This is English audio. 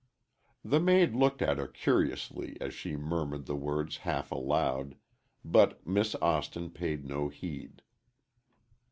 The maid looked at her curiously as she murmured the words half aloud, but Miss Austin paid no heed.